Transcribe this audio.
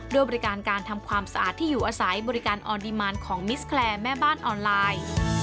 ด้วยบริการการทำความสะอาดที่อยู่อาศัยบริการออนดีมานของมิสแคลร์แม่บ้านออนไลน์